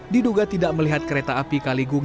diduga tidak melihat kereta api kaligung